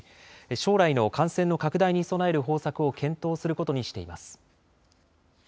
将来の感染の拡大に備える方策を検討することにしています。